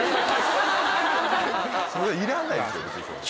それいらないって別に。